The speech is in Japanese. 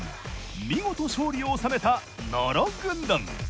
見事勝利を収めた野呂軍団。